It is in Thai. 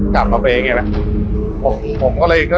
กลับมาเป็นไงไหม